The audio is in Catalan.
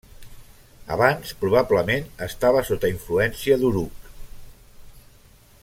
Abans probablement estava sota influència d'Uruk.